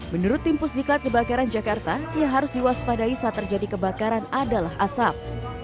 menurut tim pusdiklat kebakaran jakarta yang harus diwaspadai saat terjadi kebakaran adalah asap